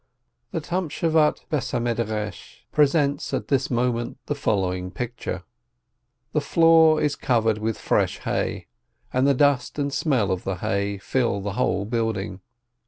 The Tamschevate house of study presents at this mo ment the following picture: the floor is covered with fresh hay, and the dust and the smell of the hay fill the whole building.